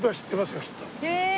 へえ！